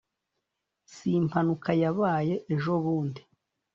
[simpanuka yabaye ejobundi.